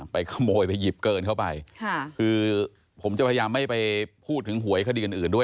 ไปขโมยไปหยิบเกินเข้าไปค่ะคือผมจะพยายามไม่ไปพูดถึงหวยคดีอื่นด้วย